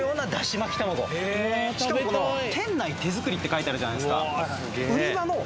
しかもこの「店内手作り」って書いてあるじゃないすか